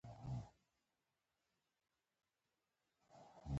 ژبه د دین د تبلیغ وسیله ده